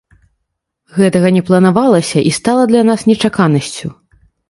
Гэтага не планавалася і стала для нас нечаканасцю.